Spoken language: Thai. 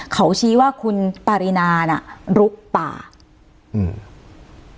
เขาชี้ว่าคุณปารินาน่ะลุกป่าอืม